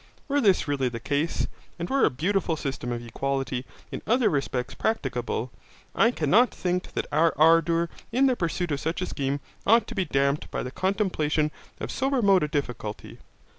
Were this really the case, and were a beautiful system of equality in other respects practicable, I cannot think that our ardour in the pursuit of such a scheme ought to be damped by the contemplation of so remote a difficulty.